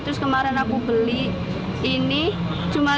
terus kemarin aku beli ini cuma rp lima puluh empat